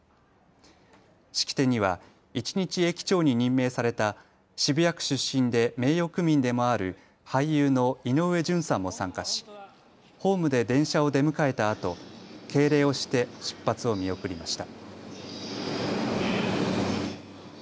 式典には一日駅長に任命された渋谷区出身で名誉区民でもある俳優の井上順さんも参加しホームで電車を出迎えたあと敬礼をして出発を見送りました。